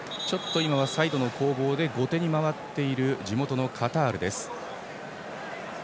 今はサイドの攻防で後手に回っている地元のカタール。